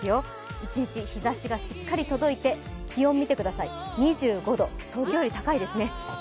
一日日ざしがしっかり届いて気温見てください、２５度、東京より高いですね。